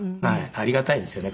ありがたいですよね